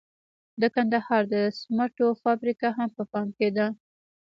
د کندهار د سمنټو فابریکه هم په پام کې ده.